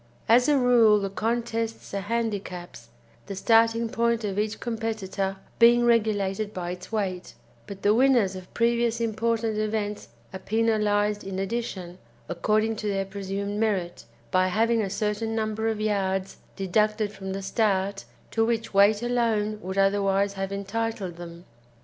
As a rule the contests are handicaps, the starting point of each competitor being regulated by its weight; but the winners of previous important events are penalised in addition, according to their presumed merit, by having a certain number of yards deducted from the start to which weight alone would otherwise have entitled them.